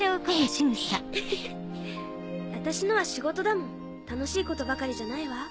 フフフ私のは仕事だもん楽しいことばかりじゃないわ。